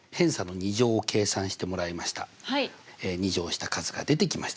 ２乗した数が出てきました。